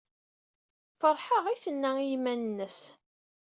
Feṛḥeɣ, ay tenna i yiman-nnes.